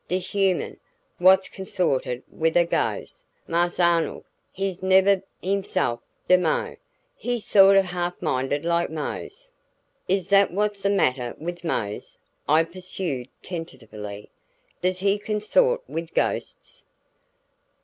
De human what's consorted wid a gohs, Marse Arnold, he's nebber hisself no moah. He's sort uh half minded like Mose." "Is that what's the matter with Mose?" I pursued tentatively. "Does he consort with ghosts?"